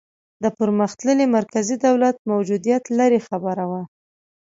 د پرمختللي مرکزي دولت موجودیت لرې خبره وه.